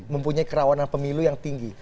mempunyai kerawanan pemilu yang tinggi